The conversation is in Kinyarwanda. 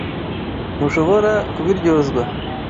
Ntushobora kubiryozwa.